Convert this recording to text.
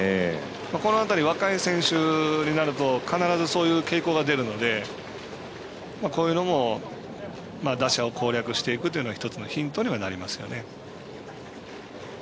この辺り、若い選手になると必ずそういう傾向が出るので、こういうのも打者を攻略していく１つのヒントにはなりますよね。